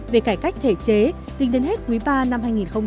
về cải cách thể chế tính đến hết quý ba năm hai nghìn một mươi bảy